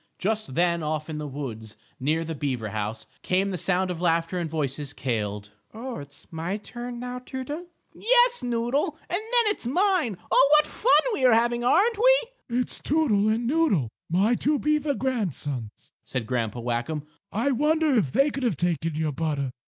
Just then, off in the woods, near the beaver house, came the sound of laughter and voices cailed: "Oh, it's my turn now, Toodle." "Yes, Noodle, and then it's mine. Oh, what fun we are having, aren't we?" "It's Toodle and Noodle my two beaver grandsons," said Grandpa Whackum. "I wonder if they could have taken your butter?